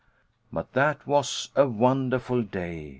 But that was a wonderful day!